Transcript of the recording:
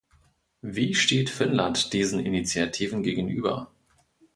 Wie steht Finnland diesen Initiativen gegenüber?